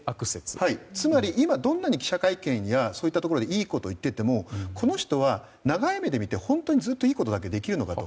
つまり今、どんなに記者会見やそういったところでいいことを言っていてもこの人は長い目で見て本当にずっといいことだけできるのかと。